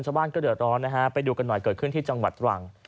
ชาวบ้านก็เดือดร้อนนะฮะไปดูกันหน่อยเกิดขึ้นที่จังหวัดตรัง